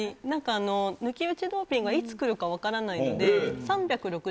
なんか、抜き打ちドーピングはいつ来るか分からないので、３６５日